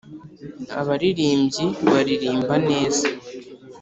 abaririmbyi baririmba neza.